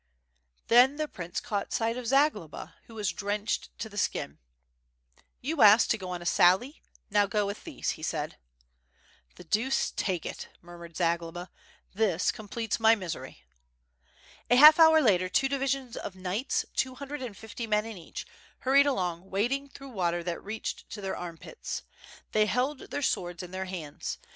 Then the prince caught sight of Zagloba, who was drenched to the skin. "You asked to go on a sally, now go with these," he said. "The deuce take it," murmured Zagloba, "this completes my misery." A half hour later two divisions of knights, two hundred and fifty men in each, hurried along wading through water that reached to their armpits. They held their swords in their hands.